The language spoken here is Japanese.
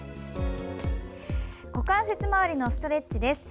股関節周りのストレッチです。